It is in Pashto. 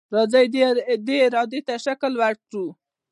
راځئ دې ارادې ته شکل ورکړو.